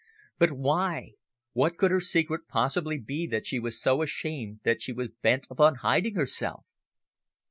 But why? What could her secret possibly be that she was so ashamed that she was bent upon hiding herself?